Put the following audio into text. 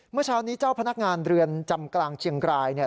เมื่อเช้านี้เจ้าพนักงานเรือนจำกลางเชียงรายเนี่ย